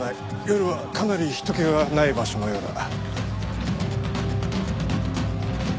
夜はかなり人けがない場所のようだ。